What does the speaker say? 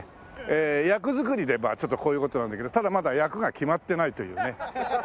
えー役作りでまあちょっとこういう事なんだけどただまだ役が決まってないというね。